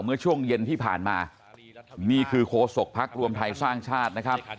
เมื่อช่วงเย็นที่ผ่านมานี่คือโคศกภักดิ์รวมไทยสร้างชาตินะครับ